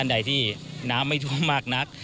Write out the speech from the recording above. อันไดนี้น้ำไม่ถั่วมากนัก